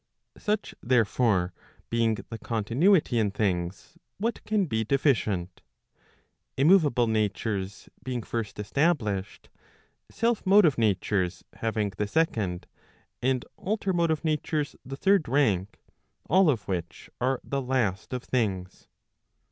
Such therefore, being the continuity in things, what can be deficient? Immove¬ able natures being first established, self motive natures having the second, and alter motive natures the third rank, all of which are the last of things.